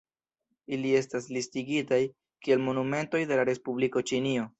Ili estas listigitaj kiel monumentoj de la respubliko Ĉinio.